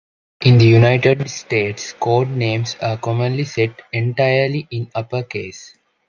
In the United States code names are commonly set entirely in upper case.